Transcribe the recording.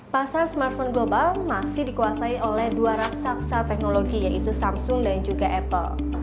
pasar smartphone global masih dikuasai oleh dua raksasa teknologi yaitu samsung dan juga apple